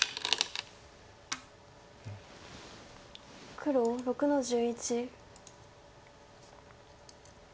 黒６の十一。